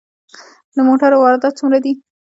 د موټرو واردات څومره دي؟